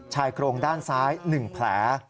ชายโครงด้านซ้าย๑แผล